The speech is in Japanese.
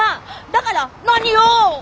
だから何よ！